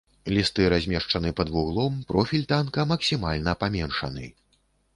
Лісты размешчаны пад вуглом, профіль танка максімальна паменшаны.